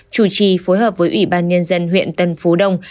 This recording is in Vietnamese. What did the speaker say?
chủ trì phối hợp với ubnd huyện tân phú đông